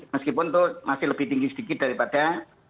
meskipun itu masih lebih tinggi sedikit daripada